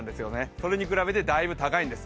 それに比べてだいぶ高いんです。